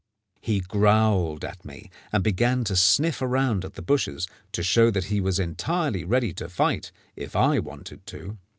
He growled at me, and began to sniff around at the bushes, to show that he was entirely ready to fight if I wanted to.